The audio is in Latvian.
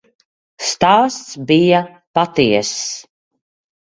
Stāsts bija patiess.